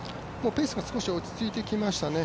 ペースが少し落ち着いてきましたね。